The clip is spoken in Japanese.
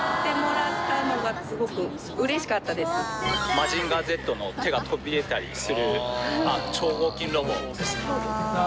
『マジンガーＺ』の手が飛び出たりする超合金ロボ。